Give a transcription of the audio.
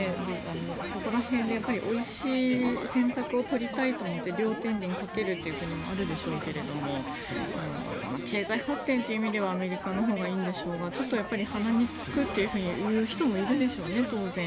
そこら辺でおいしい選択を取りたいと思って両てんびんにかけるという国もあるでしょうけど経済発展という意味ではアメリカのほうがいいんでしょうがちょっと鼻につくというふうにいう人もいるでしょうね、当然。